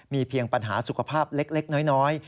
เพียงปัญหาสุขภาพเล็กน้อย